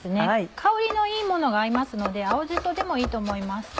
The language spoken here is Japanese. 香りのいいものが合いますので青じそでもいいと思います。